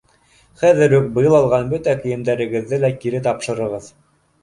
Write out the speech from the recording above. Хәҙер үк быйыл алған бөтә кейемдәрегеҙҙе лә кире тапшырығыҙ!